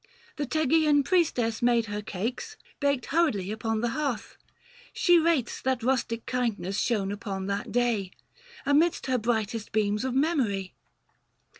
The Tegeaean priestess made her cakes, 635 Baked hurriedly upon the hearth : she rates That rustic kindness shown upon that day, Amidst her brightest beams of memory.